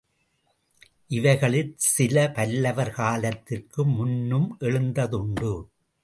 இவைகளில் சில பல்லவர் காலத்திற்கு முன்னும் எழுந்ததுண்டு.